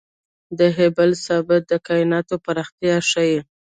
د هبل ثابت د کائناتو پراختیا ښيي.